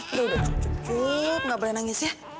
udah udah cukup cukup nggak boleh nangis ya